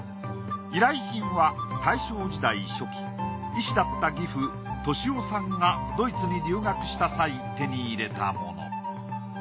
依頼品は大正時代初期医師だった義父俊男さんがドイツに留学した際手に入れたもの。